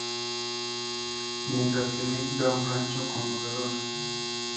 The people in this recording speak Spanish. Mientras que Nick da un gancho conmovedor.